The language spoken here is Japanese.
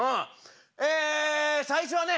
え最初はね